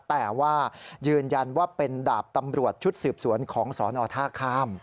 แต่ว่ายืนยันว่าเป็นดาบตำรวจชุดสืบสวนของสนท่าข้าม